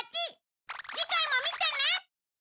次回も見てね！